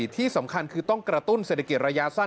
ที่สำคัญคือต้องกระตุ้นเศรษฐกิจระยะสั้น